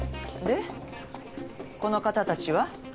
この方たちは？